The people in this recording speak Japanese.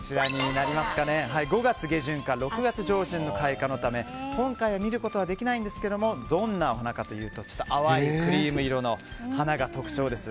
５月下旬から６月上旬の開花のため今回は見ることはできないんですけどもどんな花かというと淡いクリーム色の花が特徴です。